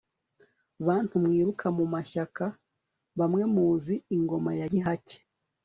bantu mwiruka mu mashyaka, bamwe muzi ingoma ya gihake